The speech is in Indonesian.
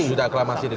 sudah aklamasi di dapur